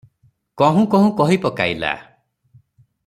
କହୁଁ କହୁଁ କହିପକାଇଲା ।